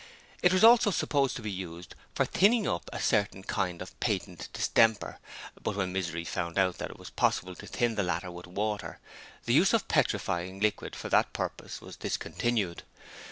It was also supposed to be used for thinning up a certain kind of patent distemper, but when Misery found out that it was possible to thin the latter with water, the use of 'Petrifying Liquid' for that purpose was discontinued.